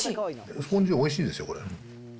スポンジおいしいですよ、これ。